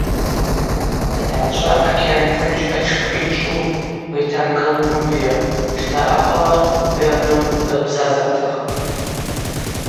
Атгӏачва Океан Тынч атшпы йчӏву Британ Колумбия шта акъала Вернон рбзазартахатӏ.